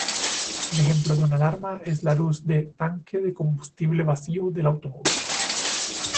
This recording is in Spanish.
Un ejemplo de una alarma es la luz de "tanque de combustible vacío"del automóvil.